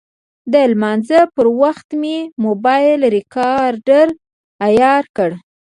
د لمانځه پر وخت مې موبایل ریکاډر عیار کړ.